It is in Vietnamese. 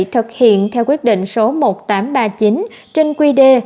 thực hiện theo quyết định số một nghìn tám trăm ba mươi chín trên quy đê